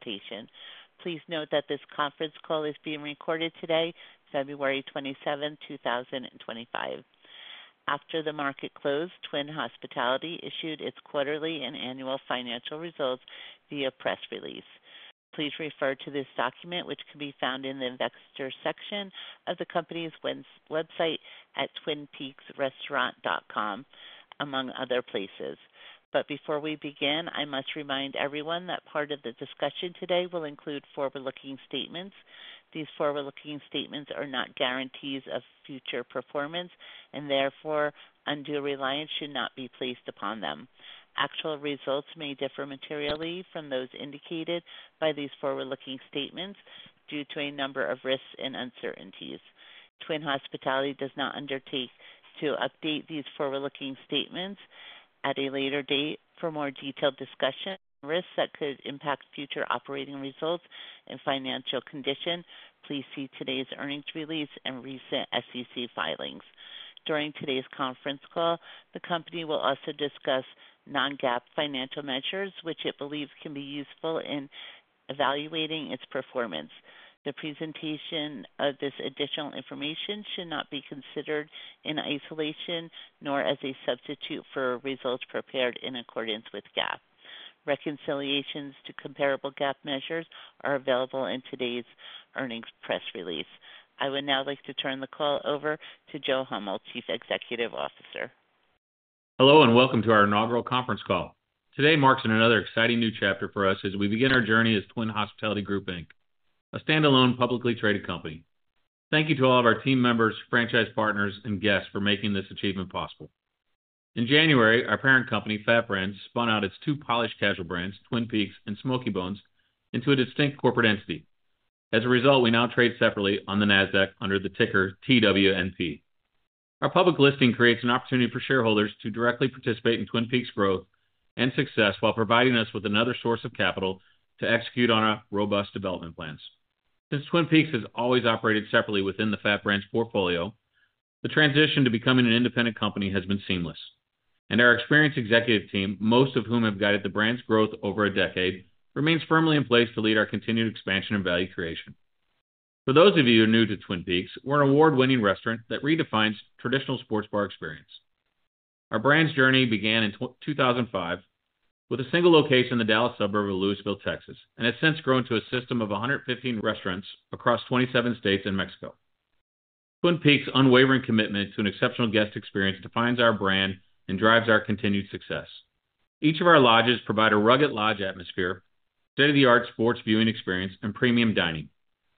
Presentation. Please note that this conference call is being recorded today, February 27, 2025. After the market closed, Twin Hospitality issued its quarterly and annual financial results via press release. Please refer to this document, which can be found in the investor section of the company's website at twinpeaksrestaurant.com, among other places. Before we begin, I must remind everyone that part of the discussion today will include forward-looking statements. These forward-looking statements are not guarantees of future performance, and therefore, undue reliance should not be placed upon them. Actual results may differ materially from those indicated by these forward-looking statements due to a number of risks and uncertainties. Twin Hospitality does not undertake to update these forward-looking statements at a later date. For more detailed discussion and risks that could impact future operating results and financial condition, please see today's earnings release and recent SEC filings. During today's conference call, the company will also discuss non-GAAP financial measures, which it believes can be useful in evaluating its performance. The presentation of this additional information should not be considered in isolation nor as a substitute for results prepared in accordance with GAAP. Reconciliations to comparable GAAP measures are available in today's earnings press release. I would now like to turn the call over to Joe Hummel, Chief Executive Officer. Hello, and welcome to our inaugural conference call. Today marks another exciting new chapter for us as we begin our journey as Twin Hospitality Group, a standalone publicly traded company. Thank you to all of our team members, franchise partners, and guests for making this achievement possible. In January, our parent company, FAT Brands, spun out its two polished casual brands, Twin Peaks and Smokey Bones, into a distinct corporate entity. As a result, we now trade separately on the NASDAQ under the ticker TWNP. Our public listing creates an opportunity for shareholders to directly participate in Twin Peaks' growth and success while providing us with another source of capital to execute on our robust development plans. Since Twin Peaks has always operated separately within the FAT Brands portfolio, the transition to becoming an independent company has been seamless. Our experienced executive team, most of whom have guided the brand's growth over a decade, remains firmly in place to lead our continued expansion and value creation. For those of you who are new to Twin Peaks, we're an award-winning restaurant that redefines traditional sports bar experience. Our brand's journey began in 2005 with a single location in the Dallas suburb of Lewisville, Texas, and has since grown to a system of 115 restaurants across 27 states and Mexico. Twin Peaks' unwavering commitment to an exceptional guest experience defines our brand and drives our continued success. Each of our lodges provides a rugged lodge atmosphere, state-of-the-art sports viewing experience, and premium dining.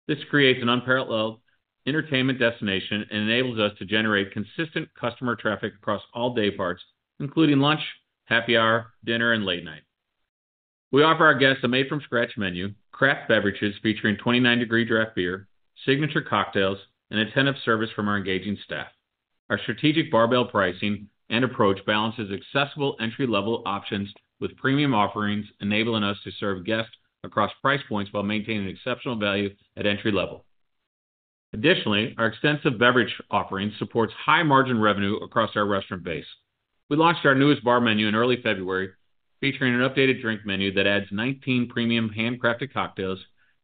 This creates an unparalleled entertainment destination and enables us to generate consistent customer traffic across all day parts, including lunch, happy hour, dinner, and late night. We offer our guests a made-from-scratch menu, craft beverages featuring 29-degree draft beer, signature cocktails, and attentive service from our engaging staff. Our strategic barbell pricing and approach balances accessible entry-level options with premium offerings, enabling us to serve guests across price points while maintaining exceptional value at entry level. Additionally, our extensive beverage offering supports high-margin revenue across our restaurant base. We launched our newest bar menu in early February, featuring an updated drink menu that adds 19 premium handcrafted cocktails,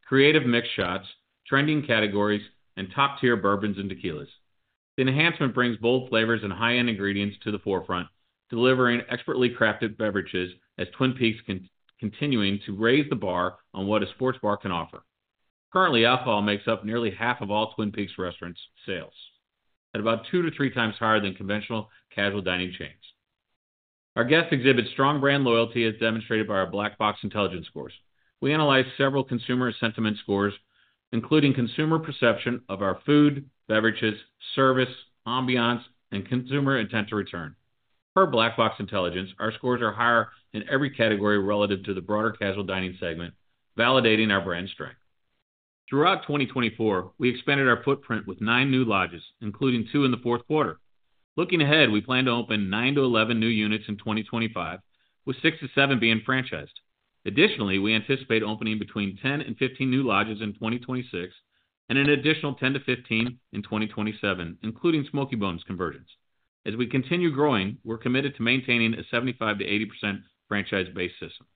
creative mixed shots, trending categories, and top-tier bourbons and tequilas. The enhancement brings bold flavors and high-end ingredients to the forefront, delivering expertly crafted beverages as Twin Peaks continues to raise the bar on what a sports bar can offer. Currently, alcohol makes up nearly half of all Twin Peaks restaurants' sales, at about two to three times higher than conventional casual dining chains. Our guests exhibit strong brand loyalty, as demonstrated by our Black Box Intelligence scores. We analyze several consumer sentiment scores, including consumer perception of our food, beverages, service, ambiance, and consumer intent to return. Per Black Box Intelligence, our scores are higher in every category relative to the broader casual dining segment, validating our brand strength. Throughout 2024, we expanded our footprint with nine new lodges, including two in the fourth quarter. Looking ahead, we plan to open nine-11 new units in 2025, with six-seven being franchised. Additionally, we anticipate opening between 10 and 15 new lodges in 2026 and an additional 10-15 in 2027, including Smokey Bones conversions. As we continue growing, we're committed to maintaining a 75-80% franchise-based system.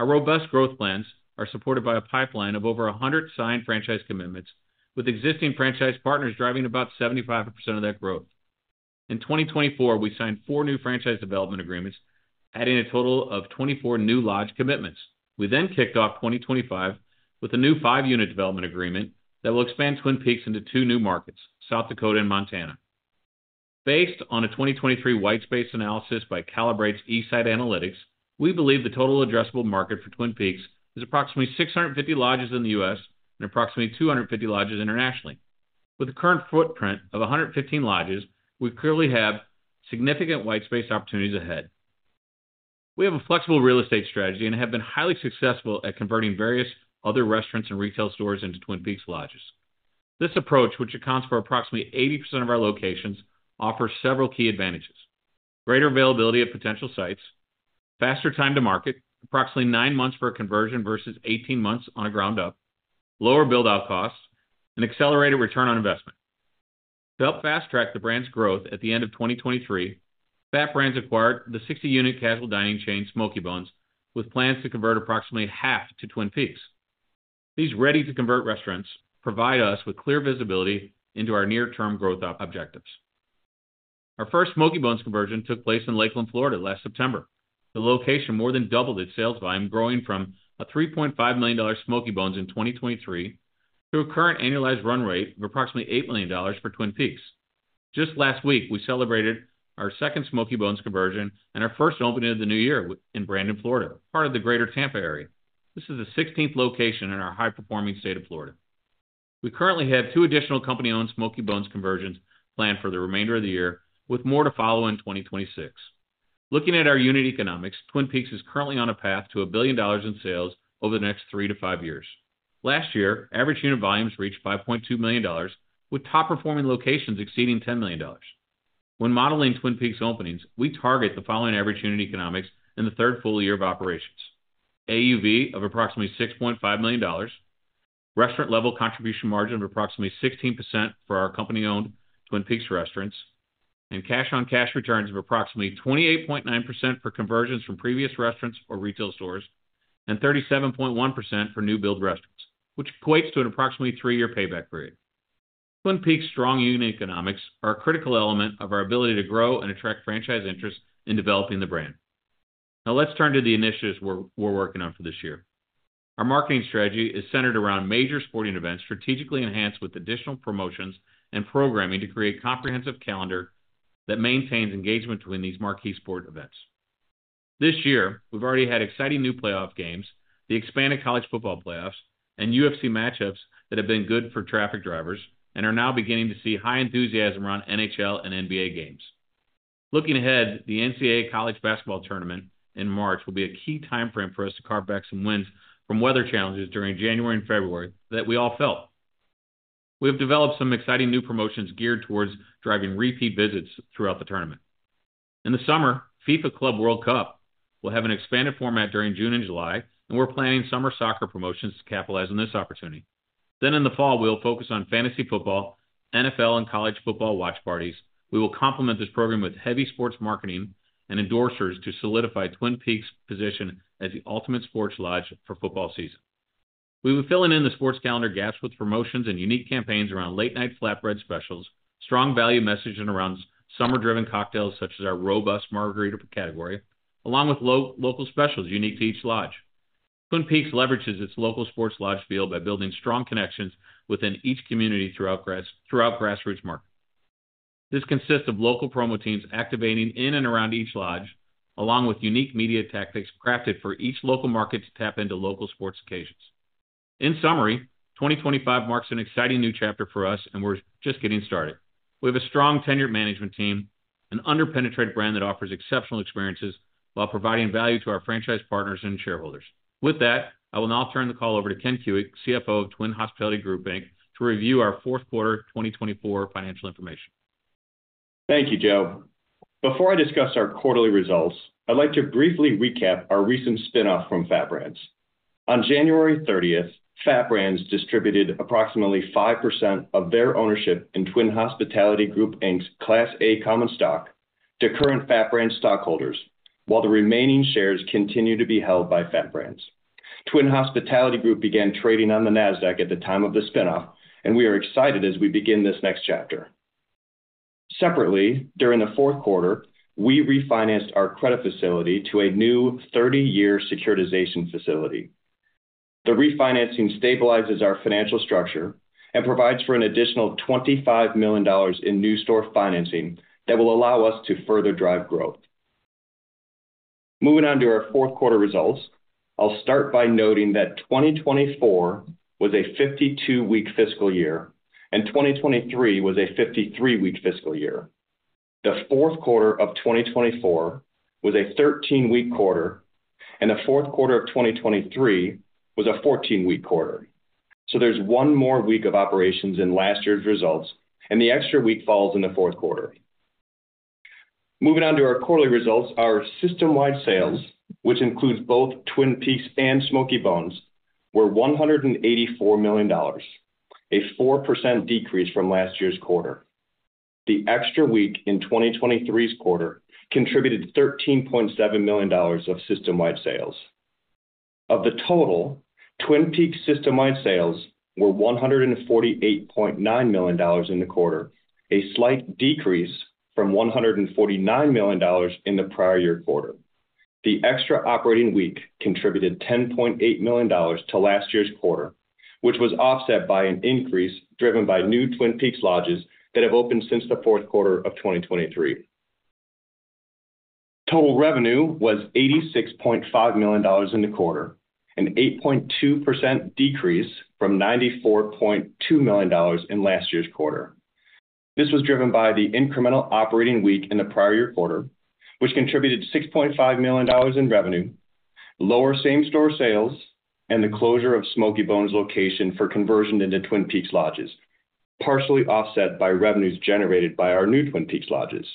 Our robust growth plans are supported by a pipeline of over 100 signed franchise commitments, with existing franchise partners driving about 75% of that growth. In 2024, we signed four new franchise development agreements, adding a total of 24 new lodge commitments. We then kicked off 2025 with a new five-unit development agreement that will expand Twin Peaks into two new markets, South Dakota and Montana. Based on a 2023 whitespace analysis by Kalibrate's eSite Analytics, we believe the total addressable market for Twin Peaks is approximately 650 lodges in the U.S. and approximately 250 lodges internationally. With a current footprint of 115 lodges, we clearly have significant whitespace opportunities ahead. We have a flexible real estate strategy and have been highly successful at converting various other restaurants and retail stores into Twin Peaks lodges. This approach, which accounts for approximately 80% of our locations, offers several key advantages: greater availability of potential sites, faster time to market, approximately nine months for a conversion versus 18 months on a ground-up, lower build-out costs, and accelerated return on investment. To help fast-track the brand's growth, at the end of 2023, FAT Brands acquired the 60-unit casual dining chain, Smokey Bones, with plans to convert approximately half to Twin Peaks. These ready-to-convert restaurants provide us with clear visibility into our near-term growth objectives. Our first Smokey Bones conversion took place in Lakeland, Florida, last September. The location more than doubled its sales volume, growing from a $3.5 million Smokey Bones in 2023 to a current annualized run rate of approximately $8 million for Twin Peaks. Just last week, we celebrated our second Smokey Bones conversion and our first opening of the new year in Brandon, Florida, part of the greater Tampa area. This is the 16th location in our high-performing state of Florida. We currently have two additional company-owned Smokey Bones conversions planned for the remainder of the year, with more to follow in 2026. Looking at our unit economics, Twin Peaks is currently on a path to a billion dollars in sales over the next three to five years. Last year, average unit volumes reached $5.2 million, with top-performing locations exceeding $10 million. When modeling Twin Peaks openings, we target the following average unit economics in the third full year of operations: AUV of approximately $6.5 million, restaurant-level contribution margin of approximately 16% for our company-owned Twin Peaks restaurants, and cash-on-cash returns of approximately 28.9% for conversions from previous restaurants or retail stores, and 37.1% for new-build restaurants, which equates to an approximately three-year payback period. Twin Peaks' strong unit economics are a critical element of our ability to grow and attract franchise interest in developing the brand. Now, let's turn to the initiatives we're working on for this year. Our marketing strategy is centered around major sporting events, strategically enhanced with additional promotions and programming to create a comprehensive calendar that maintains engagement between these marquee sport events. This year, we've already had exciting new playoff games, the expanded college football playoffs, and UFC matchups that have been good for traffic drivers and are now beginning to see high enthusiasm around NHL and NBA games. Looking ahead, the NCAA college basketball tournament in March will be a key timeframe for us to carve back some wins from weather challenges during January and February that we all felt. We have developed some exciting new promotions geared towards driving repeat visits throughout the tournament. In the summer, FIFA Club World Cup will have an expanded format during June and July, and we're planning summer soccer promotions to capitalize on this opportunity. In the fall, we'll focus on fantasy football, NFL, and college football watch parties. We will complement this program with heavy sports marketing and endorsers to solidify Twin Peaks' position as the ultimate sports lodge for football season. We will fill in the sports calendar gaps with promotions and unique campaigns around late-night flatbread specials, strong value messaging around summer-driven cocktails such as our robust Margarita category, along with local specials unique to each lodge. Twin Peaks leverages its local sports lodge field by building strong connections within each community throughout grassroots marketing. This consists of local promo teams activating in and around each lodge, along with unique media tactics crafted for each local market to tap into local sports occasions. In summary, 2025 marks an exciting new chapter for us, and we're just getting started. We have a strong tenured management team, an under-penetrated brand that offers exceptional experiences while providing value to our franchise partners and shareholders. With that, I will now turn the call over to Ken Kuick, CFO of Twin Hospitality Group, to review our fourth quarter 2024 financial information. Thank you, Joe. Before I discuss our quarterly results, I'd like to briefly recap our recent spinoff from FAT Brands. On January 30, FAT Brands distributed approximately 5% of their ownership in Twin Hospitality Group's Class A Common Stock to current FAT Brands stockholders, while the remaining shares continue to be held by FAT Brands. Twin Hospitality Group began trading on the NASDAQ at the time of the spinoff, and we are excited as we begin this next chapter. Separately, during the fourth quarter, we refinanced our credit facility to a new 30-year securitization facility. The refinancing stabilizes our financial structure and provides for an additional $25 million in new store financing that will allow us to further drive growth. Moving on to our fourth quarter results, I'll start by noting that 2024 was a 52-week fiscal year and 2023 was a 53-week fiscal year. The fourth quarter of 2024 was a 13-week quarter, and the fourth quarter of 2023 was a 14-week quarter. There is one more week of operations in last year's results, and the extra week falls in the fourth quarter. Moving on to our quarterly results, our system-wide sales, which includes both Twin Peaks and Smokey Bones, were $184 million, a 4% decrease from last year's quarter. The extra week in 2023's quarter contributed $13.7 million of system-wide sales. Of the total, Twin Peaks' system-wide sales were $148.9 million in the quarter, a slight decrease from $149 million in the prior year quarter. The extra operating week contributed $10.8 million to last year's quarter, which was offset by an increase driven by new Twin Peaks lodges that have opened since the fourth quarter of 2023. Total revenue was $86.5 million in the quarter, an 8.2% decrease from $94.2 million in last year's quarter. This was driven by the incremental operating week in the prior year quarter, which contributed $6.5 million in revenue, lower same-store sales, and the closure of Smokey Bones location for conversion into Twin Peaks lodges, partially offset by revenues generated by our new Twin Peaks lodges.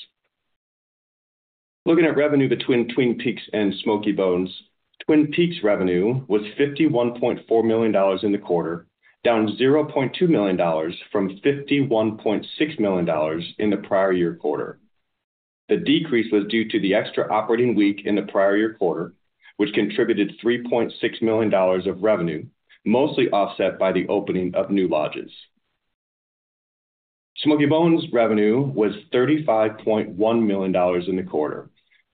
Looking at revenue between Twin Peaks and Smokey Bones, Twin Peaks' revenue was $51.4 million in the quarter, down $0.2 million from $51.6 million in the prior year quarter. The decrease was due to the extra operating week in the prior year quarter, which contributed $3.6 million of revenue, mostly offset by the opening of new lodges. Smokey Bones' revenue was $35.1 million in the quarter,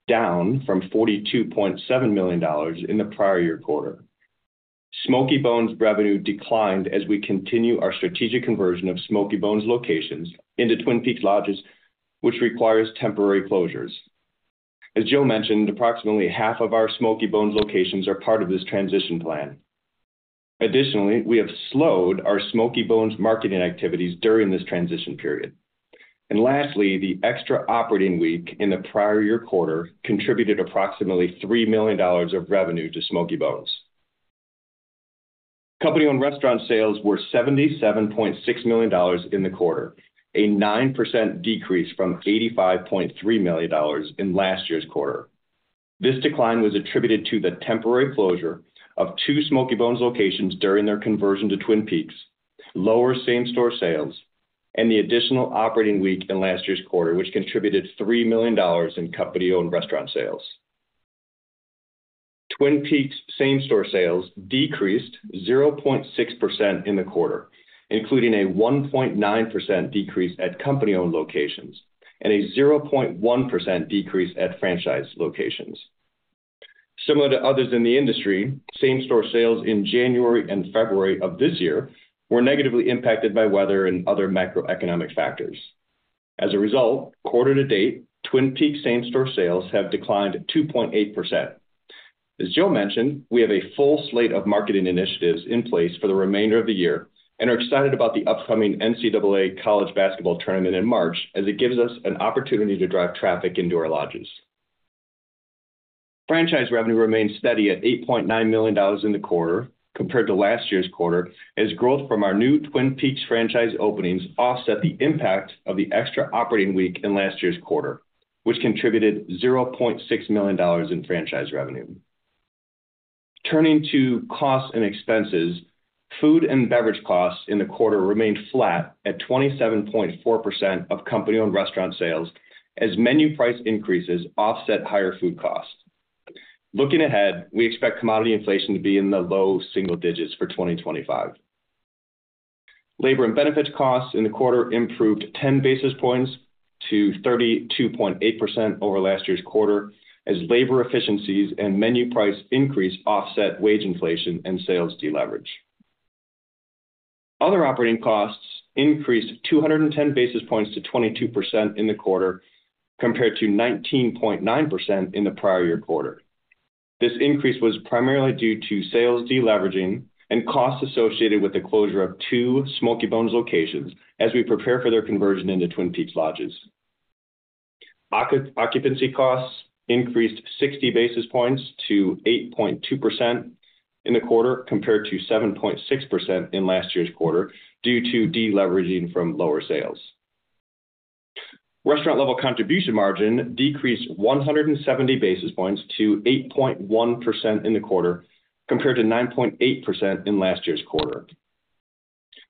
down from $42.7 million in the prior year quarter. Smokey Bones' revenue declined as we continue our strategic conversion of Smokey Bones locations into Twin Peaks lodges, which requires temporary closures. As Joe mentioned, approximately half of our Smokey Bones locations are part of this transition plan. Additionally, we have slowed our Smokey Bones marketing activities during this transition period. Lastly, the extra operating week in the prior year quarter contributed approximately $3 million of revenue to Smokey Bones. Company-owned restaurant sales were $77.6 million in the quarter, a 9% decrease from $85.3 million in last year's quarter. This decline was attributed to the temporary closure of two Smokey Bones locations during their conversion to Twin Peaks, lower same-store sales, and the additional operating week in last year's quarter, which contributed $3 million in company-owned restaurant sales. Twin Peaks' same-store sales decreased 0.6% in the quarter, including a 1.9% decrease at company-owned locations and a 0.1% decrease at franchise locations. Similar to others in the industry, same-store sales in January and February of this year were negatively impacted by weather and other macroeconomic factors. As a result, quarter to date, Twin Peaks' same-store sales have declined 2.8%. As Joe mentioned, we have a full slate of marketing initiatives in place for the remainder of the year and are excited about the upcoming NCAA college basketball tournament in March, as it gives us an opportunity to drive traffic into our lodges. Franchise revenue remained steady at $8.9 million in the quarter compared to last year's quarter, as growth from our new Twin Peaks franchise openings offset the impact of the extra operating week in last year's quarter, which contributed $0.6 million in franchise revenue. Turning to costs and expenses, food and beverage costs in the quarter remained flat at 27.4% of company-owned restaurant sales, as menu price increases offset higher food costs. Looking ahead, we expect commodity inflation to be in the low single digits for 2025. Labor and benefits costs in the quarter improved 10 basis points to 32.8% over last year's quarter, as labor efficiencies and menu price increase offset wage inflation and sales deleverage. Other operating costs increased 210 basis points to 22% in the quarter compared to 19.9% in the prior year quarter. This increase was primarily due to sales deleveraging and costs associated with the closure of two Smokey Bones locations as we prepare for their conversion into Twin Peaks lodges. Occupancy costs increased 60 basis points to 8.2% in the quarter compared to 7.6% in last year's quarter due to deleveraging from lower sales. Restaurant-level contribution margin decreased 170 basis points to 8.1% in the quarter compared to 9.8% in last year's quarter.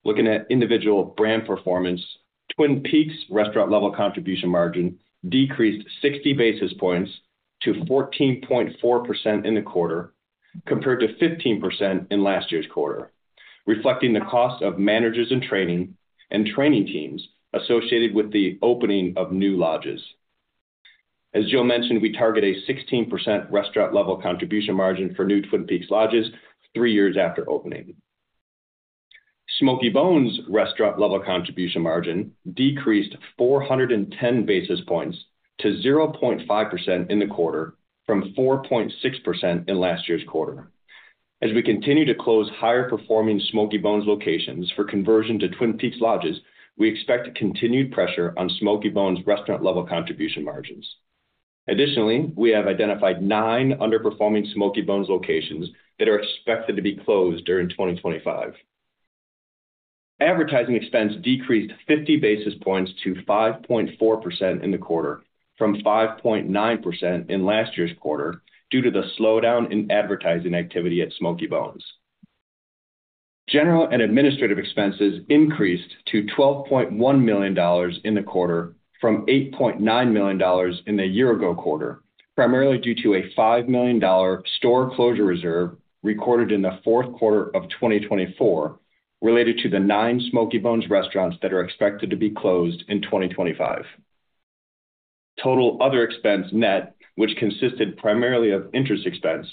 Looking at individual brand performance, Twin Peaks' restaurant-level contribution margin decreased 60 basis points to 14.4% in the quarter compared to 15% in last year's quarter, reflecting the cost of managers and training and training teams associated with the opening of new lodges. As Joe mentioned, we target a 16% restaurant-level contribution margin for new Twin Peaks lodges three years after opening. Smokey Bones' restaurant-level contribution margin decreased 410 basis points to 0.5% in the quarter from 4.6% in last year's quarter. As we continue to close higher-performing Smokey Bones locations for conversion to Twin Peaks lodges, we expect continued pressure on Smokey Bones' restaurant-level contribution margins. Additionally, we have identified nine underperforming Smokey Bones locations that are expected to be closed during 2025. Advertising expense decreased 50 basis points to 5.4% in the quarter from 5.9% in last year's quarter due to the slowdown in advertising activity at Smokey Bones. General and administrative expenses increased to $12.1 million in the quarter from $8.9 million in the year-ago quarter, primarily due to a $5 million store closure reserve recorded in the fourth quarter of 2024 related to the nine Smokey Bones restaurants that are expected to be closed in 2025. Total other expense net, which consisted primarily of interest expense,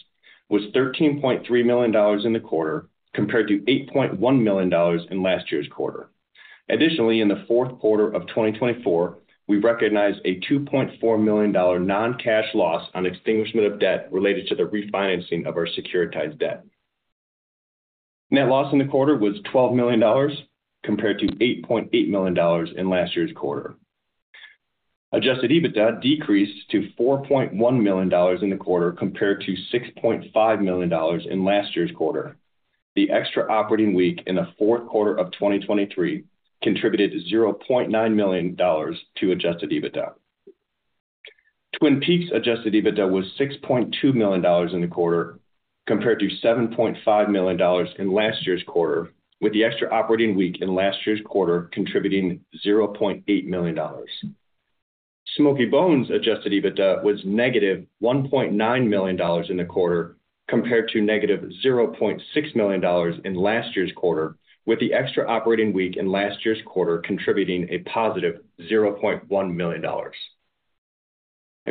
was $13.3 million in the quarter compared to $8.1 million in last year's quarter. Additionally, in the fourth quarter of 2024, we recognized a $2.4 million non-cash loss on extinguishment of debt related to the refinancing of our securitized debt. Net loss in the quarter was $12 million compared to $8.8 million in last year's quarter. Adjusted EBITDA decreased to $4.1 million in the quarter compared to $6.5 million in last year's quarter. The extra operating week in the fourth quarter of 2023 contributed $0.9 million to adjusted EBITDA. Twin Peaks' adjusted EBITDA was $6.2 million in the quarter compared to $7.5 million in last year's quarter, with the extra operating week in last year's quarter contributing $0.8 million. Smokey Bones' adjusted EBITDA was negative $1.9 million in the quarter compared to negative $0.6 million in last year's quarter, with the extra operating week in last year's quarter contributing a positive $0.1 million.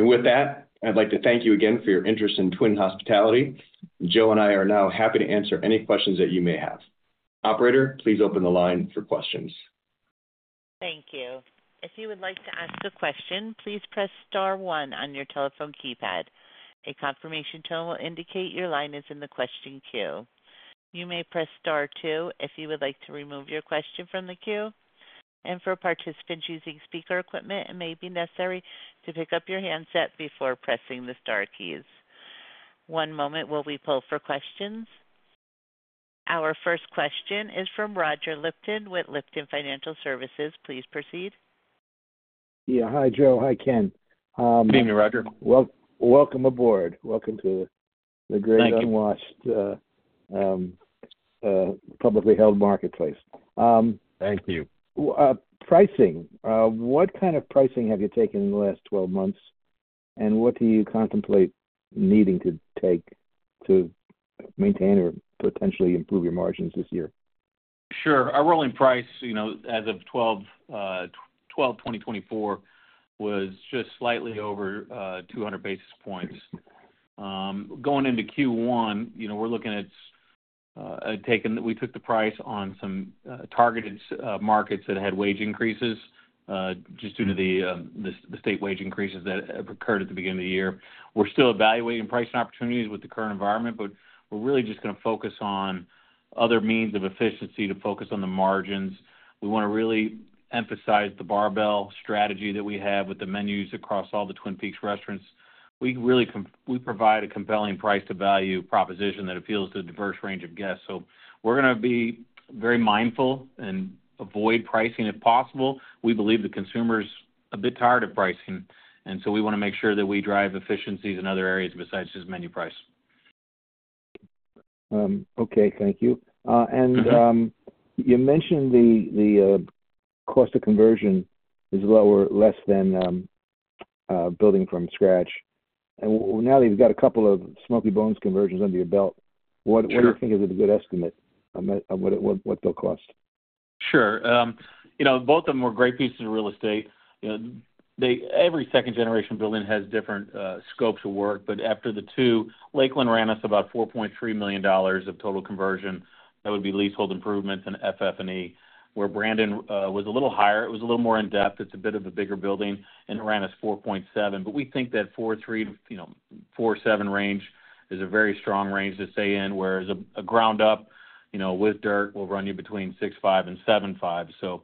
Thank you again for your interest in Twin Hospitality. Joe and I are now happy to answer any questions that you may have. Operator, please open the line for questions. Thank you. If you would like to ask a question, please press star one on your telephone keypad. A confirmation tone will indicate your line is in the question queue. You may press star two if you would like to remove your question from the queue. For participants using speaker equipment, it may be necessary to pick up your handset before pressing the star keys. One moment while we pull for questions. Our first question is from Roger Lipton with Lipton Financial Services. Please proceed. Yeah. Hi, Joe. Hi, Ken. Good evening, Roger. Welcome aboard. Welcome to the great unwatched publicly held marketplace. Thank you. Pricing. What kind of pricing have you taken in the last 12 months, and what do you contemplate needing to take to maintain or potentially improve your margins this year? Sure. Our rolling price as of December 2024 was just slightly over 200 basis points. Going into Q1, we're looking at taking—we took the price on some targeted markets that had wage increases just due to the state wage increases that have occurred at the beginning of the year. We're still evaluating pricing opportunities with the current environment, but we're really just going to focus on other means of efficiency to focus on the margins. We want to really emphasize the barbell strategy that we have with the menus across all the Twin Peaks restaurants. We provide a compelling price-to-value proposition that appeals to a diverse range of guests. We're going to be very mindful and avoid pricing if possible. We believe the consumer's a bit tired of pricing, and we want to make sure that we drive efficiencies in other areas besides just menu price. Okay. Thank you. You mentioned the cost of conversion is lower, less than building from scratch. Now that you've got a couple of Smokey Bones conversions under your belt, what do you think is a good estimate of what they'll cost? Sure. Both of them were great pieces of real estate. Every second-generation building has different scopes of work, but after the two, Lakeland ran us about $4.3 million of total conversion. That would be leasehold improvements and FF&E, where Brandon was a little higher. It was a little more in-depth. It's a bit of a bigger building, and it ran us $4.7 million. We think that $4.3 million-$4.7 million range is a very strong range to stay in, whereas a ground-up with dirt will run you between $6.5 million and $7.5 million.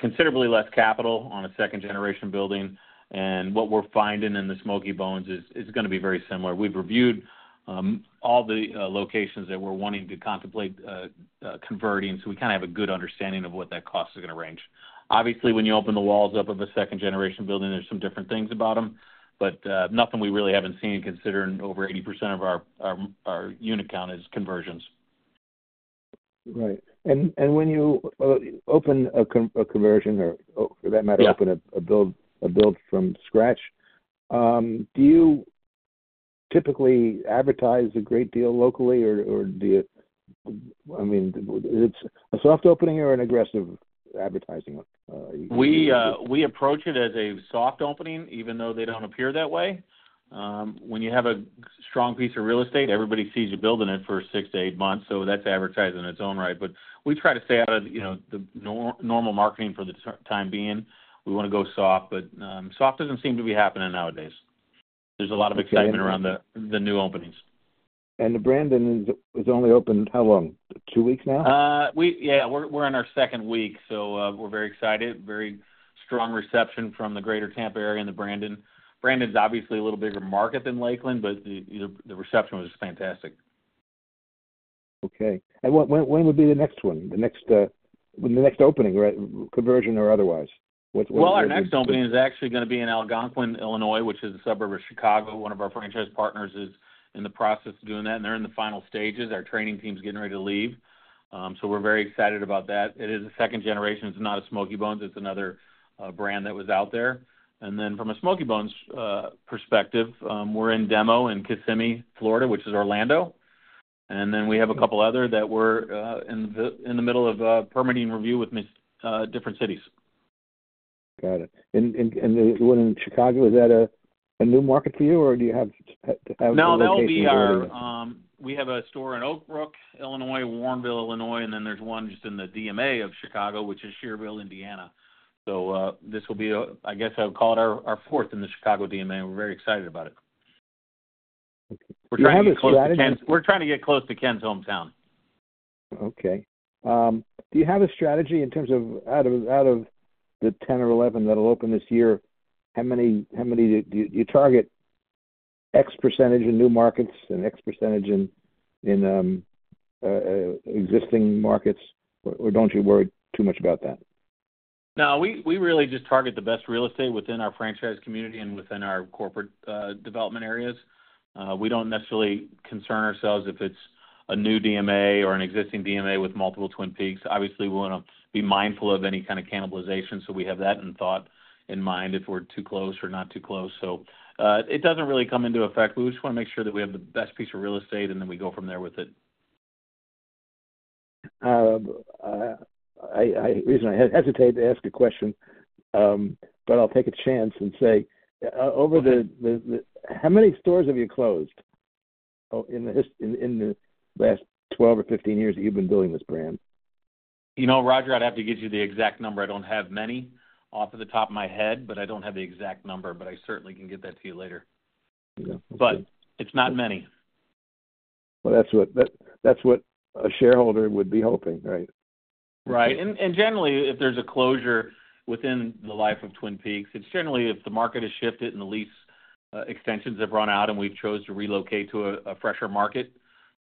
Considerably less capital on a second-generation building. What we're finding in the Smokey Bones is going to be very similar. We've reviewed all the locations that we're wanting to contemplate converting, so we kind of have a good understanding of what that cost is going to range. Obviously, when you open the walls up of a second-generation building, there's some different things about them, but nothing we really haven't seen considering over 80% of our unit count is conversions. Right. When you open a conversion or, for that matter, open a build from scratch, do you typically advertise a great deal locally, or do you, I mean, is it a soft opening or an aggressive advertising? We approach it as a soft opening, even though they don't appear that way. When you have a strong piece of real estate, everybody sees you building it for six to eight months, so that's advertising in its own right. We try to stay out of the normal marketing for the time being. We want to go soft, but soft doesn't seem to be happening nowadays. There's a lot of excitement around the new openings. The Brandon has only opened how long? Two weeks now? Yeah. We're in our second week, so we're very excited. Very strong reception from the greater Tampa area and the Brandon. Brandon's obviously a little bigger market than Lakeland, but the reception was fantastic. Okay. When would be the next one? The next opening, right? Conversion or otherwise? Our next opening is actually going to be in Algonquin, Illinois, which is a suburb of Chicago. One of our franchise partners is in the process of doing that, and they're in the final stages. Our training team's getting ready to leave. We are very excited about that. It is a second generation. It's not a Smokey Bones. It's another brand that was out there. From a Smokey Bones perspective, we're in demo in Kissimmee, Florida, which is Orlando. We have a couple other that we're in the middle of permitting review with different cities. Got it. The one in Chicago, is that a new market for you, or do you have? No, that will be our we have a store in Oak Brook, Illinois, Warrenville, Illinois, and then there's one just in the DMA of Chicago, which is Schererville, Indiana. This will be, I guess I would call it our fourth in the Chicago DMA. We're very excited about it. Okay. Do you have a strategy? We're trying to get close to Ken's hometown. Okay. Do you have a strategy in terms of out of the 10 or 11 that'll open this year, how many do you target X % in new markets and X % in existing markets, or don't you worry too much about that? No, we really just target the best real estate within our franchise community and within our corporate development areas. We do not necessarily concern ourselves if it is a new DMA or an existing DMA with multiple Twin Peaks. Obviously, we want to be mindful of any kind of cannibalization, so we have that in thought in mind if we are too close or not too close. It does not really come into effect. We just want to make sure that we have the best piece of real estate, and then we go from there with it. I reasonably hesitate to ask a question, but I'll take a chance and say, over the how many stores have you closed in the last 12 or 15 years that you've been building this brand? Roger, I'd have to give you the exact number. I don't have many off the top of my head, but I don't have the exact number. I certainly can get that to you later. It's not many. That is what a shareholder would be hoping, right? Right. Generally, if there's a closure within the life of Twin Peaks, it's generally if the market has shifted and the lease extensions have run out and we've chosen to relocate to a fresher market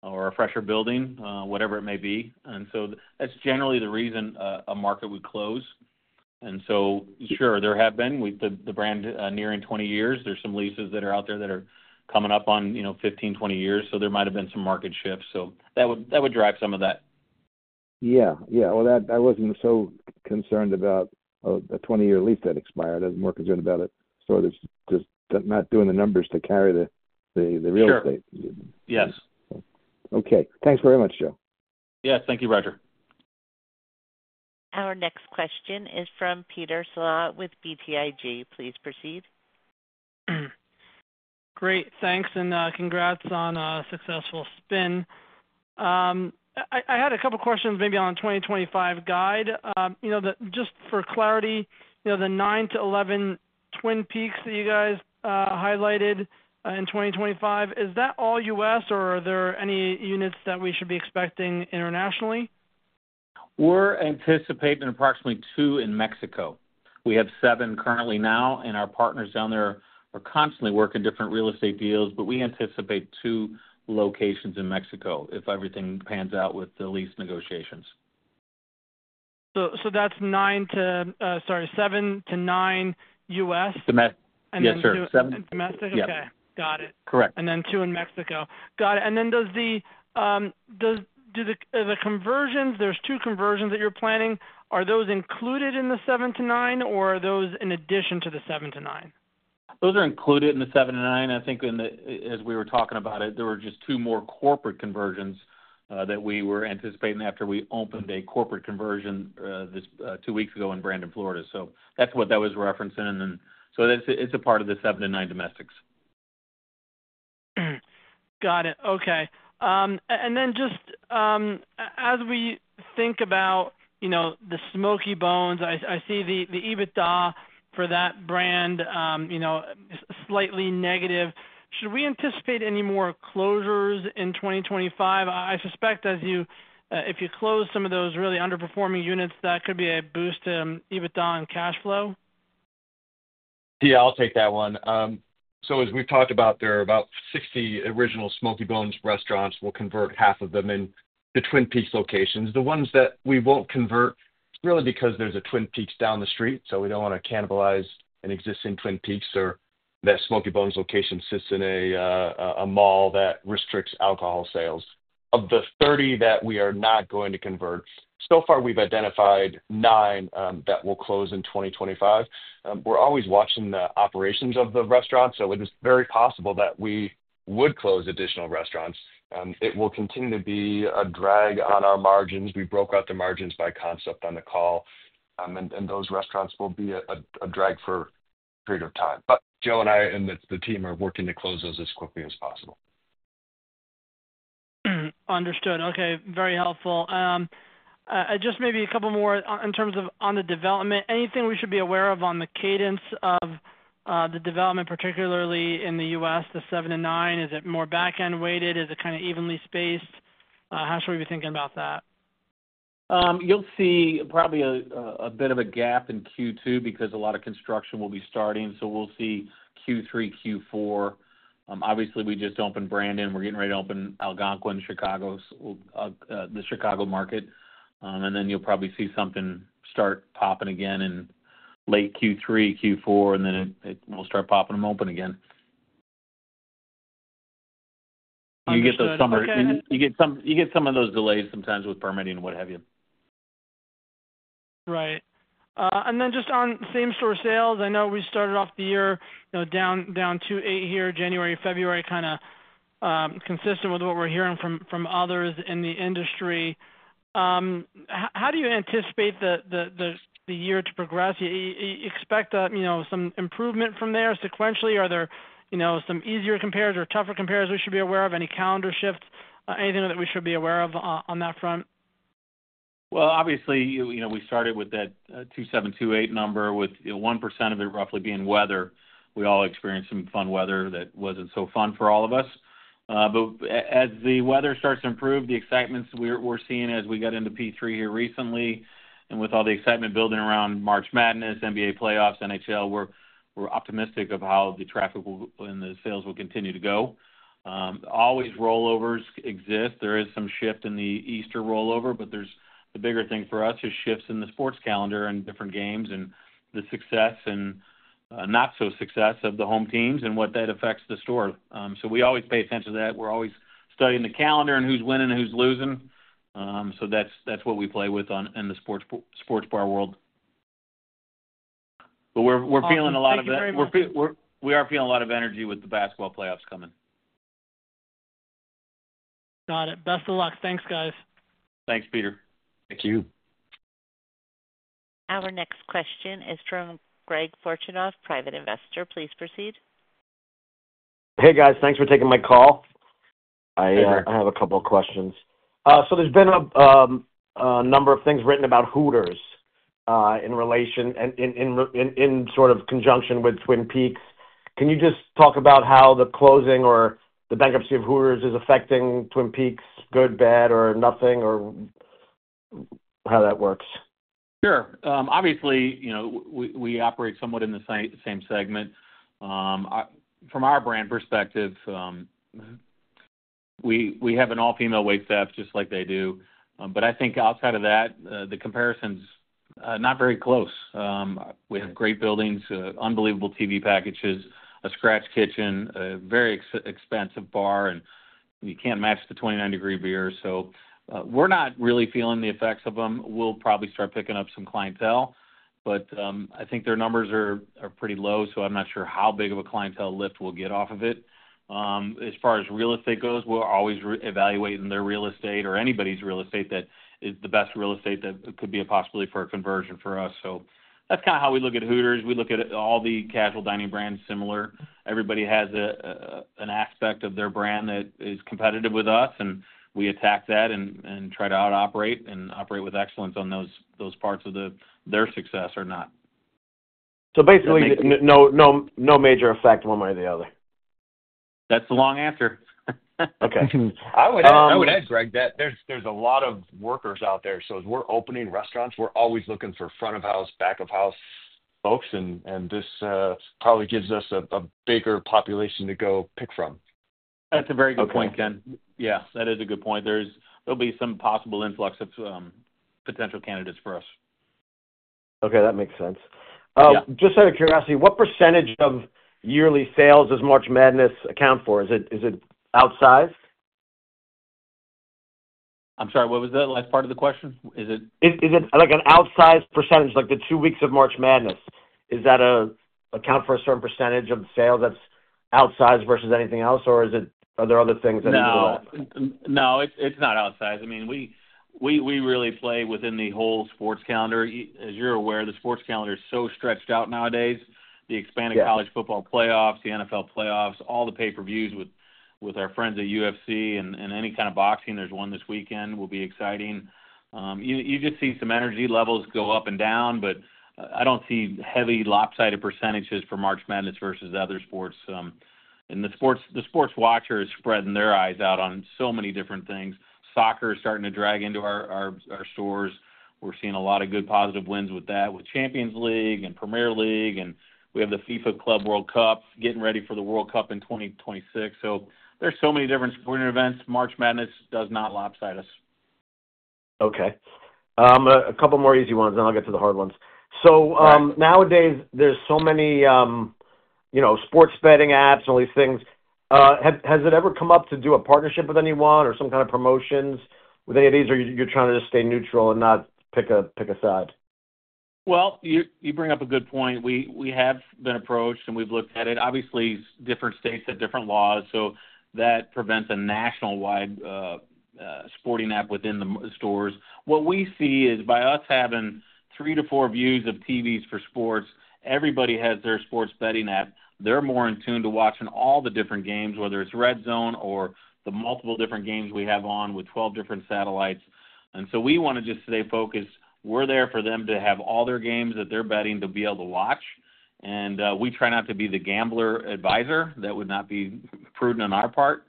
or a fresher building, whatever it may be. That's generally the reason a market would close. Sure, there have been, with the brand nearing 20 years, there are some leases that are out there that are coming up on 15, 20 years, so there might have been some market shifts. That would drive some of that. Yeah. Yeah. I wasn't so concerned about a 20-year lease that expired. I was more concerned about a store that's just not doing the numbers to carry the real estate. Sure. Yes. Okay. Thanks very much, Joe. Yes. Thank you, Roger. Our next question is from Peter Saleh with BTIG. Please proceed. Great. Thanks. Congrats on a successful spin. I had a couple of questions maybe on the 2025 guide. Just for clarity, the 9-11 Twin Peaks that you guys highlighted in 2025, is that all U.S., or are there any units that we should be expecting internationally? We're anticipating approximately two in Mexico. We have seven currently now, and our partners down there are constantly working different real estate deals, but we anticipate two locations in Mexico if everything pans out with the lease negotiations. That's seven to nine U.S.? Yes, sir. Seven. Two in domestic? Okay. Got it. Correct. Two in Mexico. Got it. Does the conversions—there's two conversions that you're planning—are those included in the 7-9, or are those in addition to the 7-9? Those are included in the 7-9. I think, as we were talking about it, there were just two more corporate conversions that we were anticipating after we opened a corporate conversion two weeks ago in Brandon, Florida. That is what that was referencing. It is a part of the 7-9 domestics. Got it. Okay. Just as we think about the Smokey Bones, I see the EBITDA for that brand slightly negative. Should we anticipate any more closures in 2025? I suspect if you close some of those really underperforming units, that could be a boost to EBITDA and cash flow. Yeah. I'll take that one. As we've talked about, there are about 60 original Smokey Bones restaurants. We'll convert half of them into Twin Peaks locations. The ones that we won't convert are really because there's a Twin Peaks down the street, so we don't want to cannibalize an existing Twin Peaks or that Smokey Bones location sits in a mall that restricts alcohol sales. Of the 30 that we are not going to convert, so far we've identified 9 that will close in 2025. We're always watching the operations of the restaurant, so it is very possible that we would close additional restaurants. It will continue to be a drag on our margins. We broke out the margins by concept on the call, and those restaurants will be a drag for a period of time. Joe and I and the team are working to close those as quickly as possible. Understood. Okay. Very helpful. Just maybe a couple more in terms of on the development. Anything we should be aware of on the cadence of the development, particularly in the U.S., the 7-9? Is it more back-end weighted? Is it kind of evenly spaced? How should we be thinking about that? You'll see probably a bit of a gap in Q2 because a lot of construction will be starting, so we'll see Q3, Q4. Obviously, we just opened Brandon. We're getting ready to open Algonquin, the Chicago market. Then you'll probably see something start popping again in late Q3, Q4, and then it will start popping and open again. Awesome. You get some of those delays sometimes with permitting and what have you. Right. Just on same-store sales, I know we started off the year down 2.8% here, January, February, kind of consistent with what we're hearing from others in the industry. How do you anticipate the year to progress? You expect some improvement from there sequentially? Are there some easier comparers or tougher comparers we should be aware of? Any calendar shifts? Anything that we should be aware of on that front? Obviously, we started with that 3728 number with 1% of it roughly being weather. We all experienced some fun weather that was not so fun for all of us. As the weather starts to improve, the excitement we are seeing as we got into P3 here recently and with all the excitement building around March Madness, NBA playoffs, NHL, we are optimistic of how the traffic and the sales will continue to go. Always rollovers exist. There is some shift in the Easter rollover, but the bigger thing for us is shifts in the sports calendar and different games and the success and not-so-success of the home teams and what that affects the store. We always pay attention to that. We are always studying the calendar and who is winning and who is losing. That is what we play with in the sports bar world. We are feeling a lot of that. That's very good. We are feeling a lot of energy with the basketball playoffs coming. Got it. Best of luck. Thanks, guys. Thanks, Peter. Thank you. Our next question is from Greg Fortunoff, private investor. Please proceed. Hey, guys. Thanks for taking my call. I have a couple of questions. There has been a number of things written about Hooters in sort of conjunction with Twin Peaks. Can you just talk about how the closing or the bankruptcy of Hooters is affecting Twin Peaks? Good, bad, or nothing, or how that works? Sure. Obviously, we operate somewhat in the same segment. From our brand perspective, we have an all-female waitstaff just like they do. I think outside of that, the comparison's not very close. We have great buildings, unbelievable TV packages, a scratch kitchen, a very expensive bar, and you can't match the 29-degree beer. We're not really feeling the effects of them. We'll probably start picking up some clientele, but I think their numbers are pretty low, so I'm not sure how big of a clientele lift we'll get off of it. As far as real estate goes, we'll always evaluate in their real estate or anybody's real estate that is the best real estate that could be a possibility for a conversion for us. That's kind of how we look at Hooters. We look at all the casual dining brands similar. Everybody has an aspect of their brand that is competitive with us, and we attack that and try to outoperate and operate with excellence on those parts of their success or not. Basically, no major effect one way or the other? That's the long answer. Okay. I would add, Greg, that there's a lot of workers out there. As we're opening restaurants, we're always looking for front-of-house, back-of-house folks, and this probably gives us a bigger population to go pick from. That's a very good point, Ken. Yeah. That is a good point. There'll be some possible influx of potential candidates for us. Okay. That makes sense. Just out of curiosity, what percentage of yearly sales does March Madness account for? Is it outsized? I'm sorry. What was the last part of the question? Is it? Is it like an outsized percentage? Like the two weeks of March Madness, does that account for a certain percentage of sales that's outsized versus anything else, or are there other things that? No. No. It's not outsized. I mean, we really play within the whole sports calendar. As you're aware, the sports calendar is so stretched out nowadays. The Expanded College Football Playoffs, the NFL Playoffs, all the pay-per-views with our friends at UFC, and any kind of boxing—there's one this weekend—will be exciting. You just see some energy levels go up and down, but I don't see heavy lopsided percentages for March Madness versus other sports. The sports watcher is spreading their eyes out on so many different things. Soccer is starting to drag into our stores. We're seeing a lot of good positive wins with that, with Champions League and Premier League, and we have the FIFA Club World Cup getting ready for the World Cup in 2026. There are so many different sporting events. March Madness does not outsized us. Okay. A couple more easy ones, and then I'll get to the hard ones. Nowadays, there's so many sports betting apps and all these things. Has it ever come up to do a partnership with anyone or some kind of promotions with any of these, or you're trying to just stay neutral and not pick a side? You bring up a good point. We have been approached, and we've looked at it. Obviously, different states have different laws, so that prevents a nationwide sporting app within the stores. What we see is by us having three to four views of TVs for sports, everybody has their sports betting app. They're more in tune to watching all the different games, whether it's RedZone or the multiple different games we have on with 12 different satellites. We want to just stay focused. We're there for them to have all their games that they're betting to be able to watch. We try not to be the gambler advisor. That would not be prudent on our part.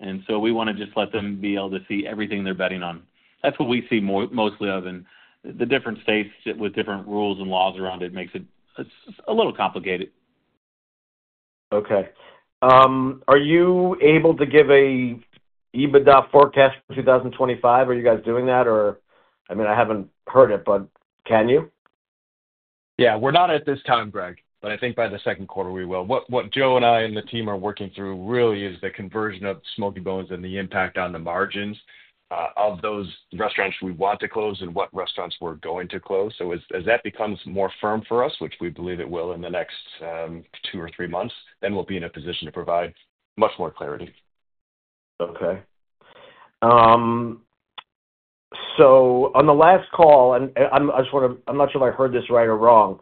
We want to just let them be able to see everything they're betting on. That's what we see mostly of. The different states with different rules and laws around it makes it a little complicated. Okay. Are you able to give an EBITDA forecast for 2025? Are you guys doing that? I mean, I haven't heard it, but can you? Yeah. We're not at this time, Greg, but I think by the second quarter, we will. What Joe and I and the team are working through really is the conversion of Smokey Bones and the impact on the margins of those restaurants we want to close and what restaurants we're going to close. As that becomes more firm for us, which we believe it will in the next two or three months, we'll be in a position to provide much more clarity. On the last call, I just want to—I'm not sure if I heard this right or wrong.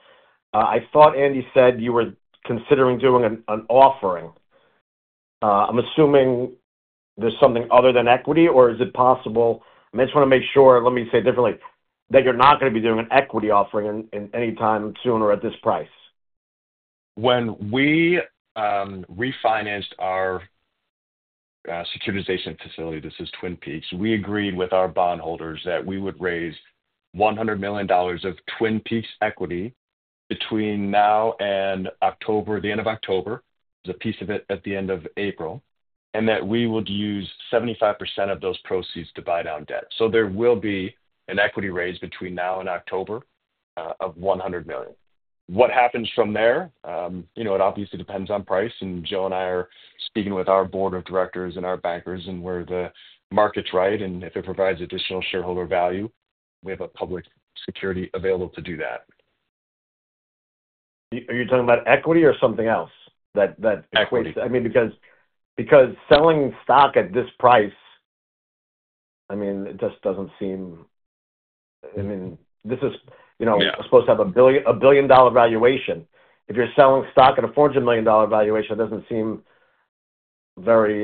I thought Andy said you were considering doing an offering. I'm assuming there's something other than equity, or is it possible? I just want to make sure—let me say it differently—that you're not going to be doing an equity offering anytime soon or at this price. When we refinanced our securitization facility—this is Twin Peaks—we agreed with our bondholders that we would raise $100 million of Twin Peaks equity between now and the end of October, the piece of it at the end of April, and that we would use 75% of those proceeds to buy down debt. There will be an equity raise between now and October of $100 million. What happens from there? It obviously depends on price, and Joe and I are speaking with our board of directors and our bankers and where the market's right, and if it provides additional shareholder value, we have a public security available to do that. Are you talking about equity or something else, that equity? Equity. I mean, because selling stock at this price, I mean, it just doesn't seem—I mean, this is supposed to have a billion-dollar valuation. If you're selling stock at a $400 million valuation, it doesn't seem very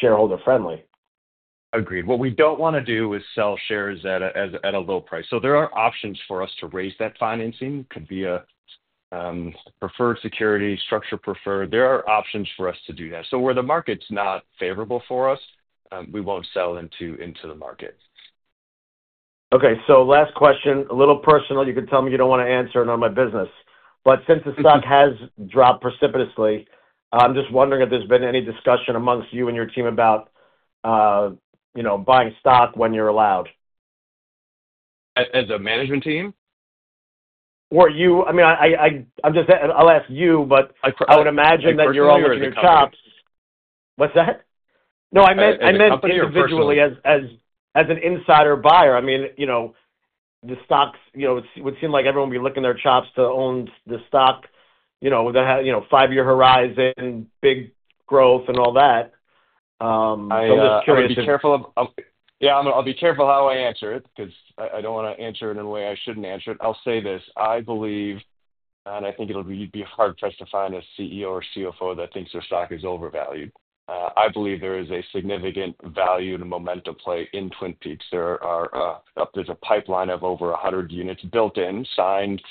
shareholder-friendly. Agreed. What we don't want to do is sell shares at a low price. There are options for us to raise that financing. It could be a preferred security, structure preferred. There are options for us to do that. Where the market's not favorable for us, we won't sell into the market. Okay. Last question. A little personal. You can tell me you don't want to answer. None of my business. Since the stock has dropped precipitously, I'm just wondering if there's been any discussion amongst you and your team about buying stock when you're allowed. As a management team? I mean, I'll ask you, but I would imagine that you're all in your chops. As a management team. What's that? No, I meant individually as an insider buyer. I mean, the stocks would seem like everyone would be licking their chops to own the stock with a five-year horizon, big growth, and all that. I'm just curious. I'll be careful. Yeah. I'll be careful how I answer it because I don't want to answer it in a way I shouldn't answer it. I'll say this. I believe, and I think it'll be hard for us to find a CEO or CFO that thinks their stock is overvalued. I believe there is a significant value and momentum play in Twin Peaks. There's a pipeline of over 100 units built in, signed,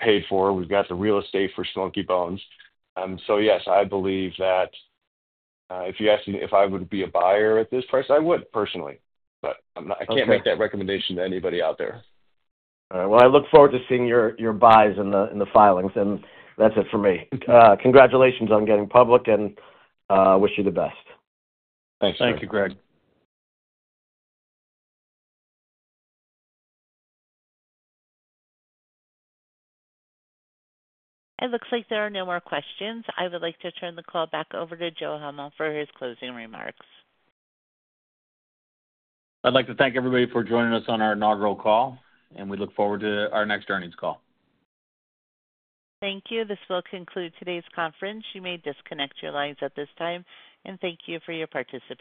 paid for. We've got the real estate for Smokey Bones. Yes, I believe that if you asked me if I would be a buyer at this price, I would personally, but I can't make that recommendation to anybody out there. All right. I look forward to seeing your buys in the filings, and that's it for me. Congratulations on getting public, and I wish you the best. Thanks. Thank you, Greg. It looks like there are no more questions. I would like to turn the call back over to Joe Hummel for his closing remarks. I'd like to thank everybody for joining us on our inaugural call, and we look forward to our next earnings call. Thank you. This will conclude today's conference. You may disconnect your lines at this time, and thank you for your participation.